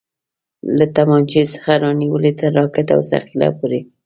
له تمانچې څخه رانيولې تر راکټ او ثقيله پورې.